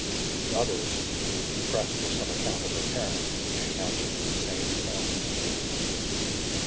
To others, who pressed for some account of her parents, she answered in the same tone of feeling.